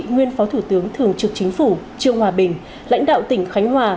nguyên phó thủ tướng thường trực chính phủ trương hòa bình lãnh đạo tỉnh khánh hòa